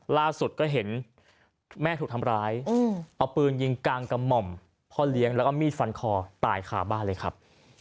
ล่าสุดก็เห็นแม่ถูกทำร้ายเอาปืนยิงกางกระหม่อมพ่อเลี้ยงแล้วก็มีดฟันคอตายขาบ้านเลยครับ